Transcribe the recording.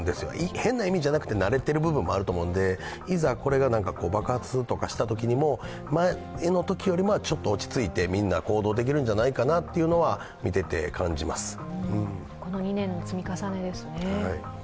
変な意味じゃなくて慣れている部分もあると思うので、いざこれが爆発するとかしたときにも前のときよりちょっと落ち着いてみんな行動できるんじゃないかなとこの２年の積み重ねですね。